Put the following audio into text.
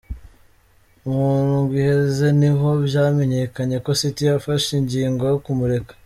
Mu ndwi iheze ni ho vyamenyekanye ko City yafashe ingingo yo kumureka.